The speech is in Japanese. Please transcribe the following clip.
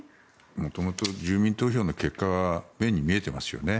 もともと住民投票の結果は目に見えていますよね。